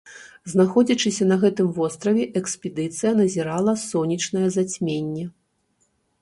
Знаходзячыся на гэтым востраве, экспедыцыя назірала сонечнае зацьменне.